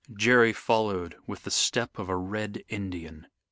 Jerry followed with the step of a red Indian.